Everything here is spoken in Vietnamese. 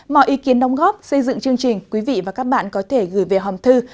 mọi ý kiến đồng góp xây dựng chương trình quý vị và các bạn có thể gửi về hòm thư